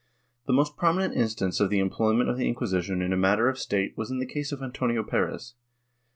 The most prominent instance of the employment of the Inquisi tion in a matter of State was in the case of Antonio Perez.